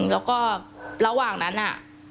แล้วก็ระหว่างนั้นน่ะ